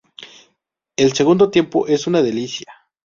El segundo tiempo es una delicia.